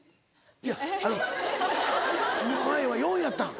いやあの前は４やったん？